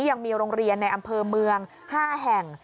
ยังมีโรงเรียนในอำเภอเมือง๕แห่ง